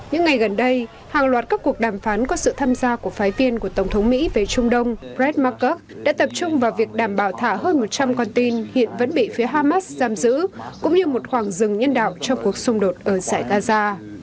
những ngày gần đây hàng loạt các cuộc đàm phán có sự tham gia của phái viên của tổng thống mỹ về trung đông brad markuk đã tập trung vào việc đảm bảo thả hơn một trăm linh con tin hiện vẫn bị phía hamas giam giữ cũng như một khoảng dừng nhân đạo trong cuộc xung đột ở giải gaza